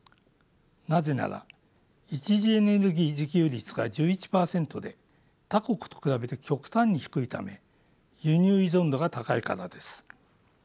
なぜなら一次エネルギー自給率が１１％で他国と比べて極端に低いため輸入依存度が高いからです。